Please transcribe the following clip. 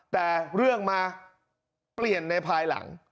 แต่เรื่องมาเปลี่ยนในภายหลัง